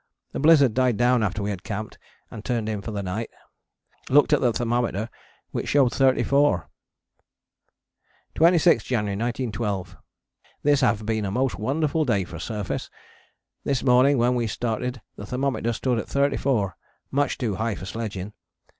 The blizzard died down after we had camped and turned in for the night. Looked at the thermometer which showed 34. 26th January 1912. This have been a most wonderful day for surface. This morning when we started the thermometer stood at 34, much too high for sledging.